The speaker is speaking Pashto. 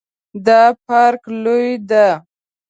دا پارک لوی ده